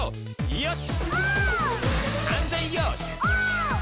よし！